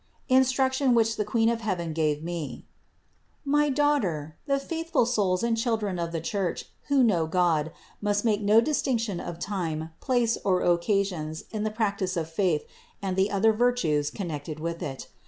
INSTRUCTION WHICH THE QUEEN OF HEAVEN GAVE ME. 320. My daughter, the faithful souls and children of the Church, who know God, must make no distinction of time, place or occasions in the practice of faith and the other virtues connected with it.